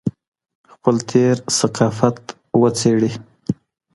خپل تېر ثقافت وڅېړي